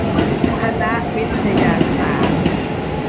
คณะวิทยาศาสตร์